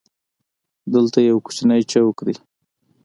دلته یو کوچنی چوک دی.